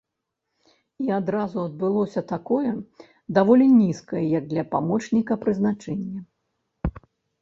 І адразу адбылося такое, даволі нізкае як для памочніка, прызначэнне.